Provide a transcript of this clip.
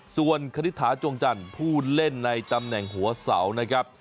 ส่วนคณิตถาจวงจันทร์ผู้เล่นในตำแหน่งหัวเสานะครับ